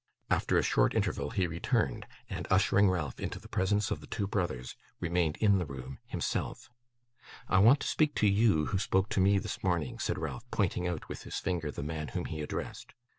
After a short interval, he returned, and, ushering Ralph into the presence of the two brothers, remained in the room himself. 'I want to speak to you, who spoke to me this morning,' said Ralph, pointing out with his finger the man whom he addressed.